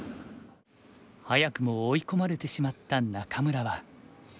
早くも追い込まれてしまった仲邑は。